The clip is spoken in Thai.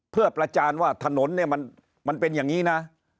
เพื่อประจานว่าถนนเนี่ยมันเป็นอย่างนี้นะ